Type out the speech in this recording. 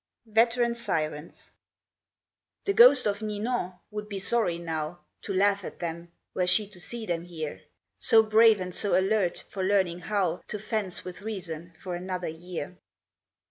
Veteran Sirens The ghost of Ninon would be sorry now To laugh at them, were she to see them here, So brave and so alert for learning how To fence with reason for another year.